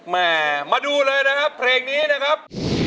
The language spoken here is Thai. มาดูเลยนะครับเพลงนี้นะครับ